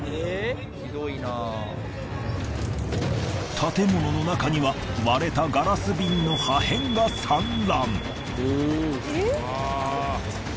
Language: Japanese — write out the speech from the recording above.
建物の中には割れたガラス瓶の破片が散乱。